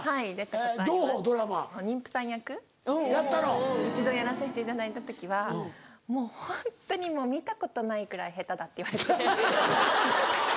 妊婦さん役一度やらさせていただいた時はもうホントに見たことないくらい下手だって言われて。